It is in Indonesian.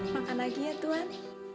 makan lagi ya tuhan